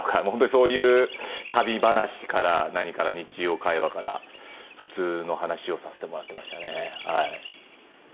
本当にそういう旅話から何から日常会話から普通の話をさせてもらってましたねはい。